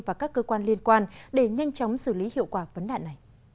và các cơ quan liên quan để nhanh chóng xử lý hiệu quả vấn đạn này